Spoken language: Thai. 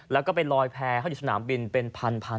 แล้วก็ไปลอยแพ้เขาอยู่สนามบินเป็นพัน